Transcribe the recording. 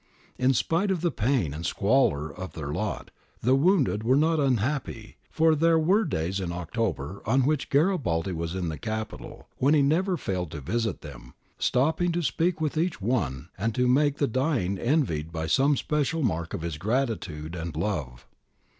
In spite of the pain and squalor of their lot, the wounded were not unhappy, for there were days in October on which Garibaldi was in the Capital, when he never failed to visit them, stopping to speak to each one and to make the dying envied by some special mark of his gratitude and love.